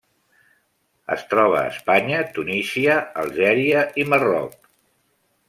Es troba a Espanya, Tunísia, Algèria i Marroc.